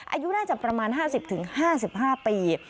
อายุน่าจะประมาณ๕๐๕๕ปี